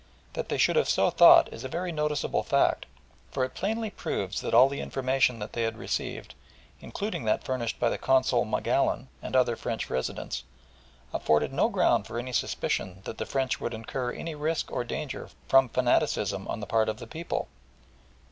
That they should have so thought is a very noticeable fact, for it plainly proves that all the information that they had received, including that furnished by the Consul Magallon and other French residents, afforded no ground for any suspicion that the French would incur any risk or danger from fanaticism on the part of the people.